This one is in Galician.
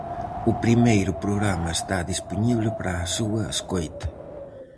O primeiro programa está dispoñible para a súa escoita: